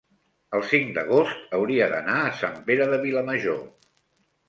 el cinc d'agost hauria d'anar a Sant Pere de Vilamajor.